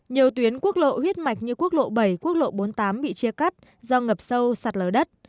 nhiều tuyến quốc lộ huyết mạch như quốc lộ bảy quốc lộ bốn mươi tám bị chia cắt do ngập sâu sạt lở đất